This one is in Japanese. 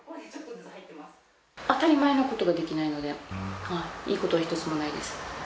当たり前のことができないので、いいことは一つもないです。